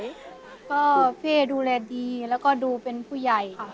ก็เฟ่ดูแลดีแล้วก็ดูเป็นผู้ใหญ่ค่ะ